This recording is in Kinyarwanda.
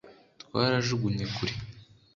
twarajugunye kure